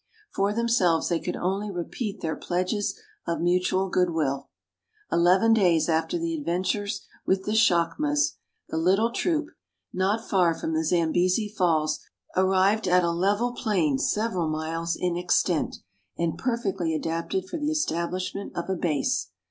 For themselves, they could only repeat their pledges of mutual good will. Eleven days after the adventure with the chacmas, the THREE ENGLISHMEN AND THREE RUSSIANS. 227 little troop, not far from the Zambesi Falls, arrived at a level plain several miles in extent, and perfectly adapted for the establishment of a base.